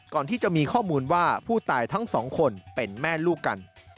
ก่อนที่จะมีข้อมูลว่าผู้ตายทั้งสองคนเป็นแม่ลูกกัน